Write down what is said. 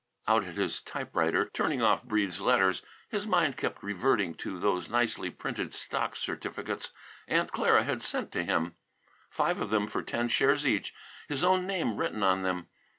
Out at his typewriter, turning off Breede's letters, his mind kept reverting to those nicely printed stock certificates Aunt Clara had sent to him, five of them for ten shares each, his own name written on them.